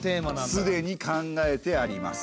すでに考えてあります。